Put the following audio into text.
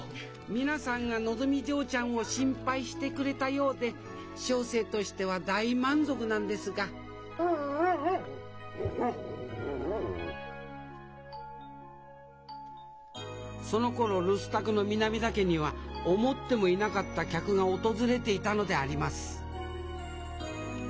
皆さんがのぞみ嬢ちゃんを心配してくれたようで小生としては大満足なんですがそのころ留守宅の南田家には思ってもいなかった客が訪れていたのであります